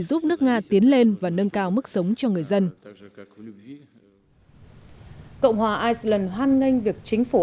giúp nga tiến lên và nâng cao mức sống cho người dân cộng hòa iceland hoan nghênh việc chính phủ